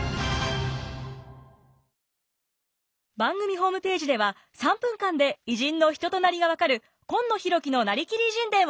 番組ホームページでは３分間で偉人の人となりが分かる「今野浩喜のなりきり偉人伝」を公開中！